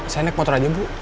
saya naik motor aja bu